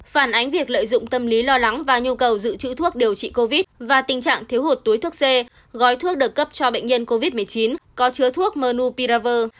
phản ánh việc lợi dụng tâm lý lo lắng và nhu cầu dự trữ thuốc điều trị covid và tình trạng thiếu hụt túi thuốc c gói thuốc được cấp cho bệnh nhân covid một mươi chín có chứa thuốc menu piraver